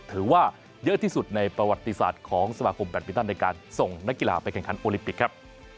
ถือว่าเยอะที่สุดในประวัติศาสตร์ของสมาคมแบตมินตันในการส่งนักกีฬาไปแข่งขันโอลิมปิกครับ